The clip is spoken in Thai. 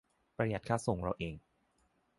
- ประหยัดค่าส่งเราเอง